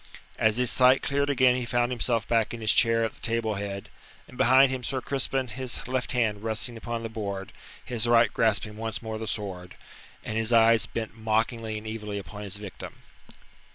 As his sight cleared again he found himself back in his chair at the table head, and beside him Sir Crispin, his left hand resting upon the board, his right grasping once more the sword, and his eyes bent mockingly and evilly upon his victim.